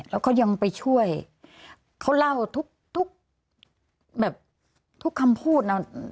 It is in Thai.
แล้วเขายังไปช่วยเขาเล่าทุกคำพูดนะ